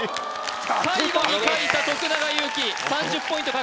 最後に書いた徳永ゆうきおっ３０ポイント